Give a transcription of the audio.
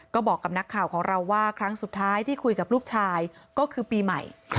ก็บอกกับนักข่าวของเราว่าครั้งสุดท้ายที่คุยกับลูกชายก็คือปีใหม่